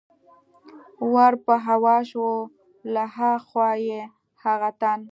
ور په هوا شو، له ها خوا یې هغه تن.